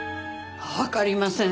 わかりません。